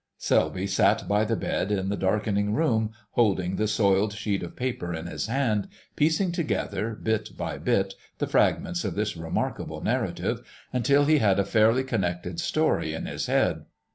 Selby sat by the bed in the darkening room holding the soiled sheet of paper in his hand, piecing together bit by bit the fragments of this remarkable narrative, until he had a fairly connected story in his head.